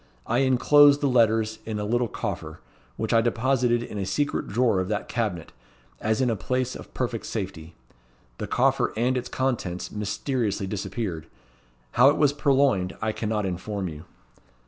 I inclosed the letters in a little coffer, which I deposited in a secret drawer of that cabinet, as in a place of perfect safety. The coffer and its contents mysteriously disappeared. How it was purloined I cannot inform you."